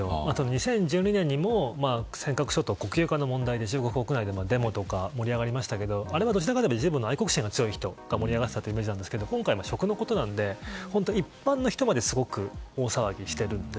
２０１２年にも尖閣諸島国有化の問題でデモとか盛り上がりましたけどあれはどちらかというと自国の愛国心が強い人が盛り上がっていたというイメージなんですけど今回は食のことなので本当に一般の人まで大騒ぎしているんです。